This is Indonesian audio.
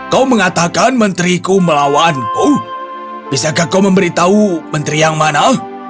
kau mengatakan menteriku melawanku bisakah kau memberitahu menteri yang mana